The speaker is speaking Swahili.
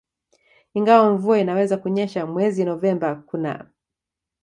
ingawa mvua inaweza kunyesha mwezi Novemba Kuna